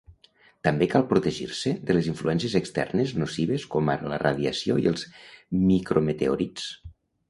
També cal protegir-se de les influències externes nocives com ara la radiació i els micrometeorits.